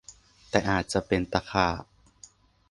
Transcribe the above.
แต่อาจจะเป็นตะขาบ